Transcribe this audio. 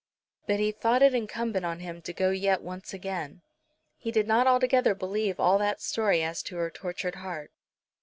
But he thought it incumbent on him to go yet once again. He did not altogether believe all that story as to her tortured heart.